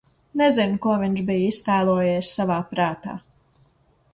Nezinu, ko viņš bija iztēlojies savā prātā.